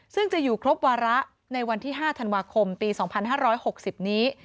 ซึ่งจะอยู่ครบวาระในวันที่๕ธันวาคมปี๒๕๖๐นี้